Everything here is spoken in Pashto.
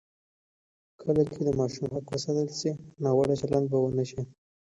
کله چې د ماشوم حق وساتل شي، ناوړه چلند به ونه شي.